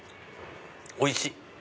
おいしい！